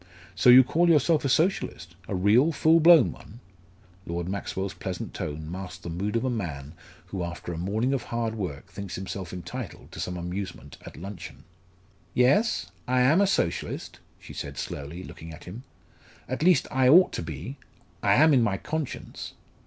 "So you call yourself a Socialist? A real full blown one?" Lord Maxwell's pleasant tone masked the mood of a man who after a morning of hard work thinks himself entitled to some amusement at luncheon. "Yes, I am a Socialist," she said slowly, looking at him. "At least I ought to be I am in my conscience."